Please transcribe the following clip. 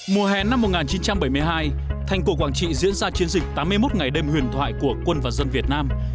mùa hè năm một nghìn chín trăm bảy mươi hai thành cổ quảng trị diễn ra chiến dịch tám mươi một ngày đêm huyền thoại của quân và dân việt nam